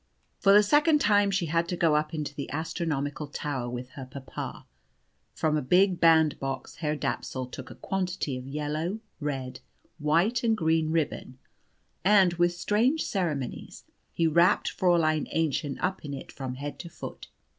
For the second time she had to go up into the astronomical tower with her papa. From a big band box Herr Dapsul took a quantity of yellow, red, white, and green ribbon, and, with strange ceremonies, he wrapped Fräulein Aennchen up in it from head to foot.